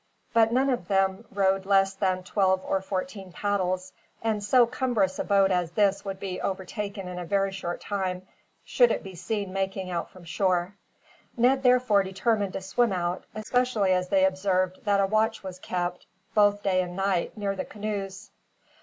But none of them rowed less than twelve or fourteen paddles, and so cumbrous a boat as this would be overtaken in a very short time, should it be seen making out from shore. Ned therefore determined to swim out, especially as they observed that a watch was kept, both day and night, near the canoes.